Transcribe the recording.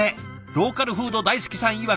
ローカルフード大好きさんいわく